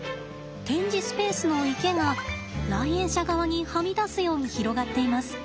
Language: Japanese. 展示スペースの池が来園者側にはみ出すように広がっています。